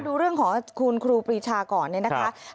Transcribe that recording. ดูเรื่องของคุณครูปีชาก่อนนะครับ